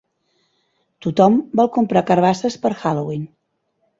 Tothom vol comprar carbasses per Halloween.